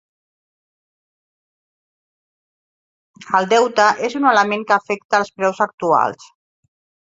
El deute és un element que afecta els preus actuals.